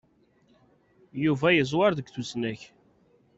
Yuba yeẓwwer deg tusnak.